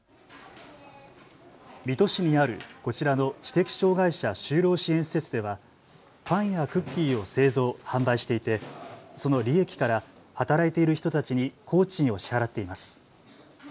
水戸市にあるこちらの知的障害者就労支援施設ではパンやクッキーを製造・販売していてその利益から働いている人たちに工賃を支払っています。